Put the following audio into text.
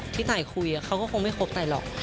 ตายคุยเขาก็คงไม่คบตายหรอก